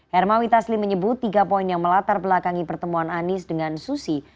hermawi tasli menyebut tiga poin yang melatar belakangi pertemuan anies dengan susi